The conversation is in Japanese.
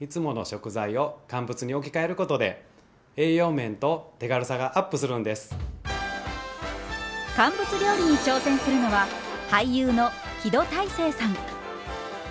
肉や魚など乾物料理に挑戦するのは俳優の木戸大聖さん。